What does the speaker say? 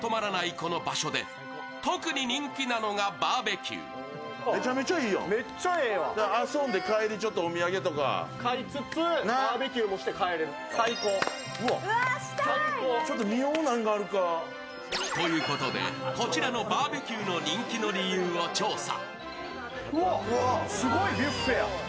この場所で特に人気なのがバーべキュー。ということで、こちらのバーベキューの人気の理由を調査。